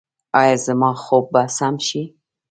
ایا زما خوب به سم شي؟